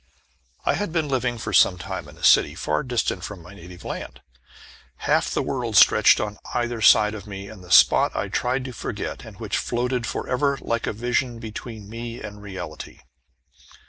I had been living for some time in a city far distant from my native land. Half the world stretched on either side between me and the spot I tried to forget, and which floated forever, like a vision, between me and reality.